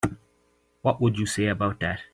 What would you say about that?